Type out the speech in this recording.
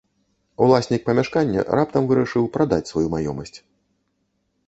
Уласнік памяшкання раптам вырашыў прадаць сваю маёмасць.